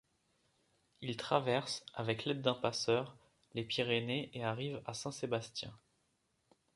Ils traversent, avec l'aide d'un passeur, les Pyrénées et arrivent à Saint-Sébastien.